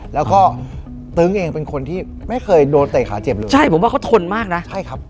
แล้วก็ตึ้งเองเป็นคนที่ไม่เคยโดนเตะขาเจ็บเลยใช่ผมว่าเขาทนมากนะใช่ครับ